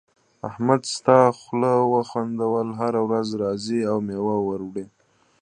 احمد ستا خوله وخوندېده؛ هر ورځ راځې او مېوه وړې.